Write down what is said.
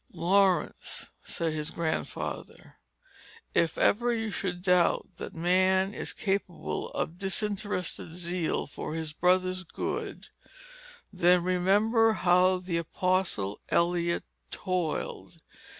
"Laurence," said his Grandfather, "if ever you should doubt that man is capable of disinterested zeal for his brother's good, then remember how the apostle Eliot toiled.